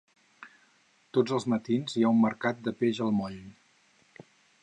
Tots els matins hi ha un mercat de peix al moll.